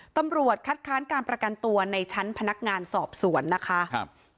ตำรวจคัดค้านการประกันตัวในชั้นพนักงานสอบสวนนะคะครับ